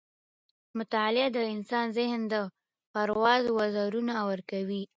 مطالعه د انسان ذهن ته د پرواز وزرونه ورکوي.